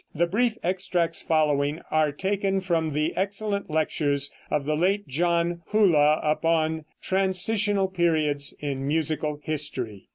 The brief extracts following are taken from the excellent lectures of the late John Hullah upon "Transitional Periods in Musical History."